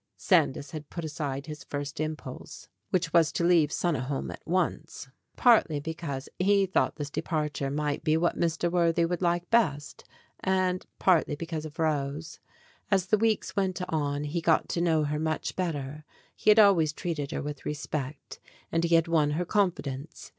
Sandys had put aside his first impulse, which was GREAT POSSESSIONS 17 to leave "Sunniholme" at once, partly because he thought this departure might be what Mr. Worthy would like best and partly because of Rose. As the weeks went on he got to know her much better. He had always treated her with respect, and he had won her confidence.